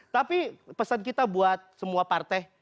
tapi pesan kita buat semua partai